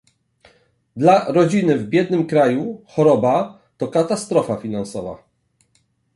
Dla rodziny w biednym kraju choroba to katastrofa finansowa